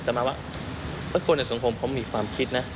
แต่มาว่าทุกคนในสังคมเขามีความคิดนะ